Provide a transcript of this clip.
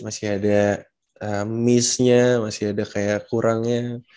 masih ada miss nya masih ada kayak kurangnya